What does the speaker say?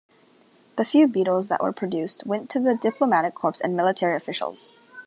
The few Beetles that were produced went to the diplomatic corps and military officials.